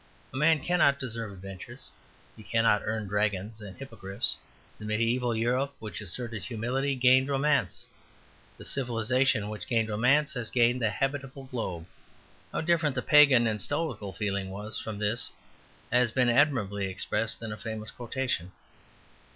A man cannot deserve adventures; he cannot earn dragons and hippogriffs. The mediaeval Europe which asserted humility gained Romance; the civilization which gained Romance has gained the habitable globe. How different the Pagan and Stoical feeling was from this has been admirably expressed in a famous quotation.